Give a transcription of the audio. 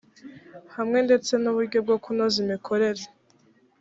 hamwe ndetse n’uburyo bwo kunoza imikorere